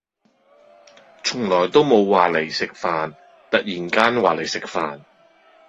從來都冇話嚟食飯，突然間話嚟食飯